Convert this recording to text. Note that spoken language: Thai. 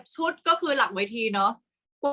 กากตัวทำอะไรบ้างอยู่ตรงนี้คนเดียว